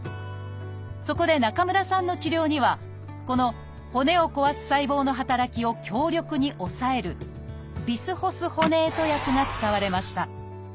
そこで中村さんの治療にはこの骨を壊す細胞の働きを強力に抑えるビスホスホネート薬が使われました。